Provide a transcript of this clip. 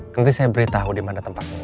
nanti saya beritahu dimana tempatnya ya